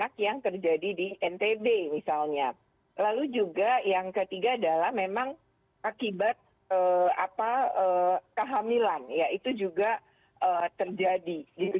apa kehamilan ya itu juga terjadi gitu